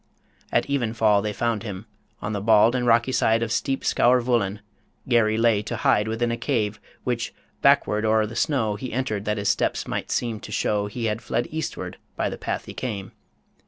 At even fall They found him ... On the bald and rocky side Of steep Scour Vullin, Garry lay to hide Within a cave, which, backward o'er the snow, He entered, that his steps might seem to show He had fled eastward by the path he came.